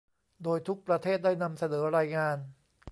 โดยทุกประเทศได้นำเสนอรายงาน